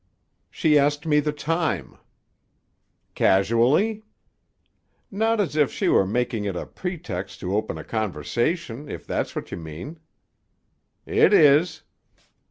"She asked me the time." "Casually?" "Not as if she were making it a pretext to open a conversation, if that is what you mean." "It is."